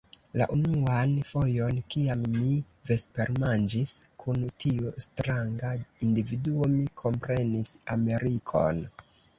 La unuan fojon, kiam mi vespermanĝis kun tiu stranga individuo, mi komprenis Amerikon.